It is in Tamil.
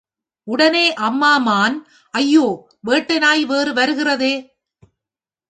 உடனே அம்மா மான் ஐயோ வேட்டை நாய் வேறு வருகிறதே!